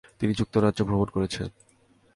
তিনি যুক্তরাজ্য ভ্রমণ করেছেন।